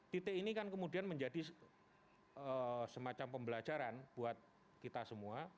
titik ini kan kemudian menjadi semacam pembelajaran buat kita semua